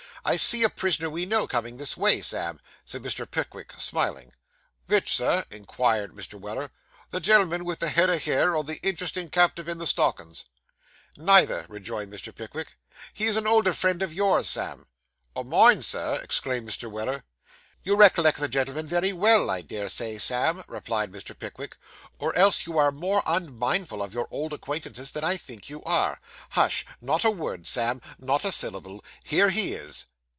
I see a prisoner we know coming this way, Sam,' said Mr. Pickwick, smiling. 'Wich, Sir?' inquired Mr. Weller; 'the gen'l'm'n vith the head o' hair, or the interestin' captive in the stockin's?' 'Neither,' rejoined Mr. Pickwick. 'He is an older friend of yours, Sam.' 'O' mine, Sir?' exclaimed Mr. Weller. 'You recollect the gentleman very well, I dare say, Sam,' replied Mr. Pickwick, 'or else you are more unmindful of your old acquaintances than I think you are. Hush! not a word, Sam; not a syllable. Here he is.